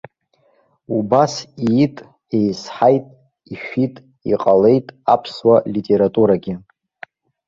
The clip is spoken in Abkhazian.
Убас иит, еизҳаит, ишәит, иҟалеит аԥсуа литературагьы.